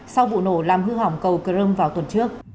sau vụ nổ làm hư hỏng cầu crime vào tuần trước